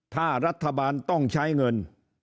ถ้ารัฐบาลต้องใช้เงิน